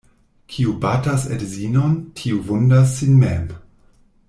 Kiu batas edzinon, tiu vundas sin mem.